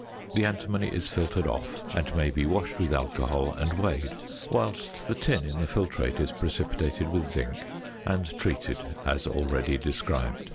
The antimony is filtered off, and may be washed with alcohol, and weighed, whilst the tin in the filtrate is precipitated with zinc, and treated as already described.